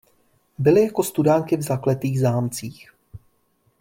Byly jako studánky v zakletých zámcích.